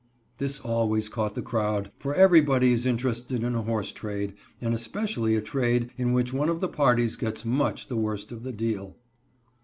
This always caught the crowd, for everybody is interested in a horse trade, and especially a trade in which one of the parties gets much the worst of the deal.